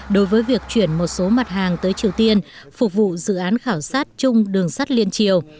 đối với việc chuyển một số mặt hàng tới triều tiên phục vụ dự án khảo sát chung đường sắt liên triều